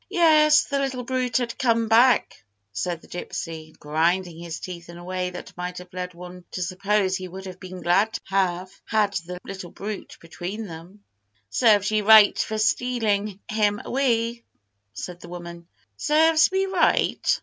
"Yes, the little brute has come back," said the gypsy, grinding his teeth in a way that might have led one to suppose he would have been glad to have had the "little brute" between them. "Serves ye right for stealin' him away!" said the woman. "Serves me right!"